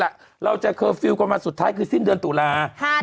เราจะเคอร์ฟิลล์กันมาสุดท้ายคือสิ้นเดือนตุลา